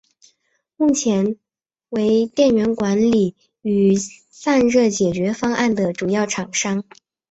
目前为电源管理与散热解决方案的主要厂商。